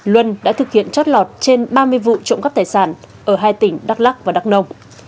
luân đã thực hiện chót lọt trên ba mươi vụ trộm cắp tài sản ở hai tỉnh đắk lắc và đắk nông